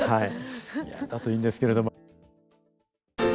いやだといいんですけれども。